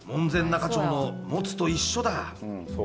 仲町のもつと一緒だ